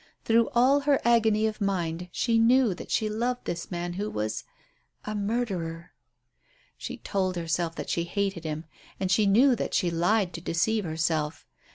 Through all her agony of mind she knew that she loved this man who was a murderer. She told herself that she hated him, and she knew that she lied to deceive herself.